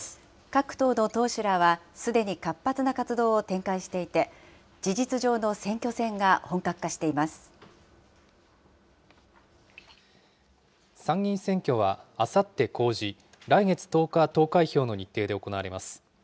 各党の党首らはすでに活発な活動を展開していて、事実上の選参議院選挙はあさって公示、来月１０日投開票の日程で行われます。